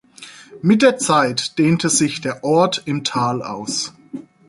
Mit der Zeit dehnte sich der Ort im Tal aus.